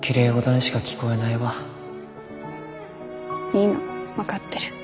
いいの分かってる。